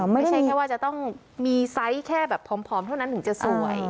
ไม่ใช่แค่ว่าจะต้องมีไซส์แค่แบบผอมเท่านั้นถึงจะสวย